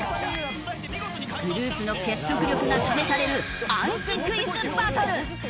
グループの結束力が試される暗記クイズバトル！